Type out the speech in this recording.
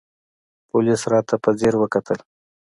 پوليس راته په ځير وکتل.